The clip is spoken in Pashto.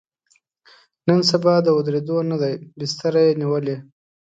نن سبا د ودرېدو نه دی، بستره یې نیولې.